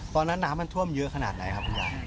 ตอนนั้นน้ำมันท่วมเยอะขนาดไหนครับคุณยาย